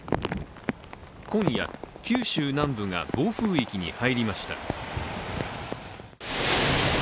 今夜、九州南部が暴風域に入りました。